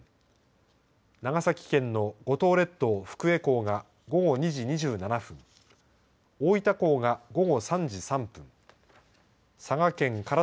長崎県の五島列島・福江港が午後２時２７分大分港が午後３時３分